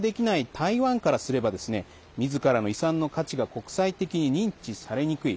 台湾からすればみずからの遺産の価値が国際的に認知されにくい。